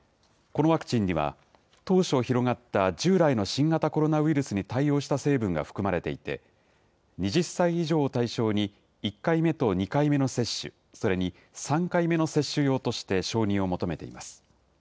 このワクチンには、当初、広がった従来の新型コロナウイルスに対応した成分が含まれていて、２０歳以上を対象に１回目と２回目の接種、それに３回目の接種用として承認を求めています。